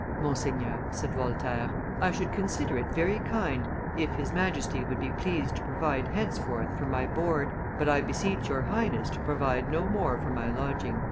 "Monseigneur," said Voltaire, "I should consider it very kind if his Majesty would be pleased to provide henceforth for my board, but I beseech your Highness to provide no more for my lodging."